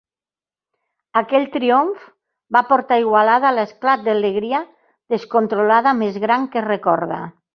Aquell triomf va portar Igualada a l'esclat d'alegria descontrolada més gran que es recorda.